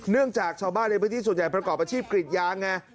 จากชาวบ้านในพื้นที่ส่วนใหญ่ประกอบอาชีพกรีดยางไง